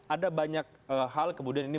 ada banyak hal kemudian ini